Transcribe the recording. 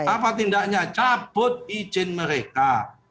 apa tindaknya cabut izin mereka